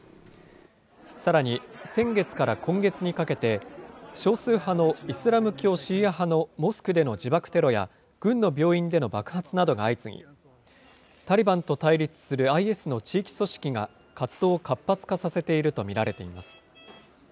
さらに先月から今月にかけて、少数派のイスラム教シーア派のモスクでの自爆テロや軍の病院での爆発などが相次ぎ、タリバンと対立するＩＳの地域組織が活動を活発化させていると見られています。